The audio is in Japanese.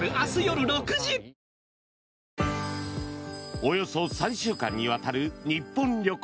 およそ３週間にわたる日本旅行。